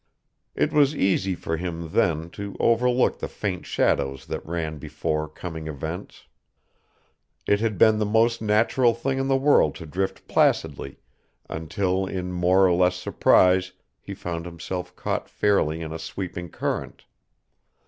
It was easy for him, then, to overlook the faint shadows than ran before coming events. It had been the most natural thing in the world to drift placidly until in more or less surprise he found himself caught fairly in a sweeping current.